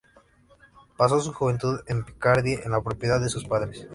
Pasó su juventud en Picardie en la propiedad de sus padres.